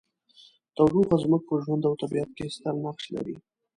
تودوخه زموږ په ژوند او طبیعت کې ستر نقش لري.